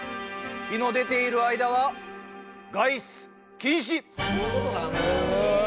日の出ている間は外出禁止！